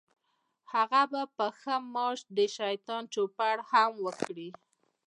هغه به په ښه معاش د شیطان چوپړ هم وکړي.